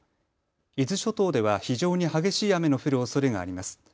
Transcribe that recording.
伊豆諸島では非常に激しい雨の降るおそれがあります。